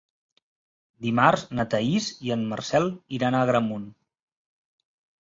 Dimarts na Thaís i en Marcel iran a Agramunt.